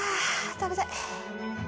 うわあ食べたい。